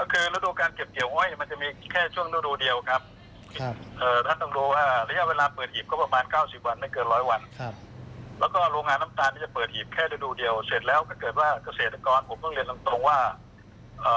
ถ้าเกิดว่ากระเศษนกรผมก็เรียนลำตรงว่า